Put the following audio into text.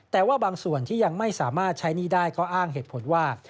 แต่ว่าบางส่วนที่ยังไม่สามารถใช้หนี้ได้ก็อ้างเหตุผลว่า